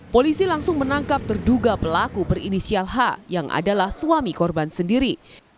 polisi langsung menangkap terduga pelaku berinisial h yang adalah suami korban sendiri